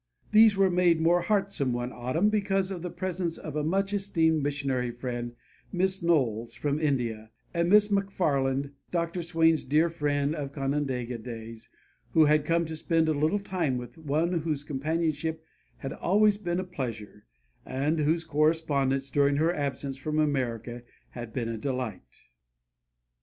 These were made more heartsome one autumn because of the presence of a much esteemed missionary friend, Miss Knowles, from India, and of Miss McFarland, Dr. Swain's dear friend of Canandaigua days, who had come to spend a little time with the one whose companionship had always been a pleasure, and whose correspondence during her absence from America had been a delight.